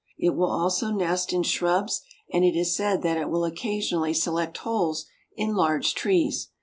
It will also nest in shrubs and it is said that it will occasionally select holes in large trees.